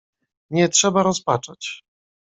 "Nie trzeba rozpaczać."